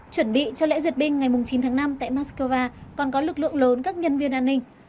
chuẩn bị cho lễ duyệt binh ngày chín tháng năm tại moscow còn có lực lượng lớn các nhân viên an ninh